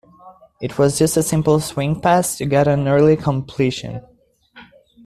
It was just a simple swing pass to get an early completion.